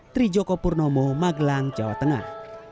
trijoko purnomo magelang jawa tengah